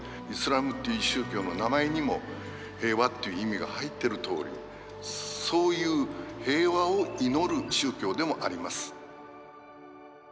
イスラームっていう宗教の名前にも平和っていう意味が入ってるとおりそういう平和を祈る宗教でもあります。